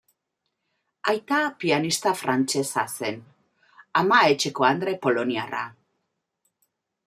Aita pianista frantsesa zen, ama etxekoandre poloniarra.